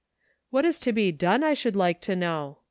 "What is to be done, I should like to know?"